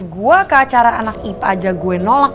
gue ke acara anak ipa aja gue nolak